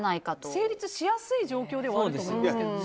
成立しやすい状況ではあると思いますけどね。